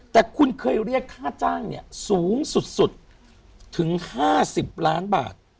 แต่คุณเคยเรียกค่าจ้างเนี่ยสูงสุดถึง๕๐ล้านบาท